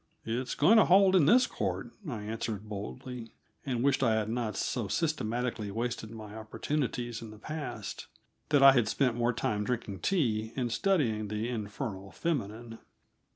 "It's going to hold in this court," I answered boldly, and wished I had not so systematically wasted my opportunities in the past that I had spent more time drinking tea and studying the "infernal feminine."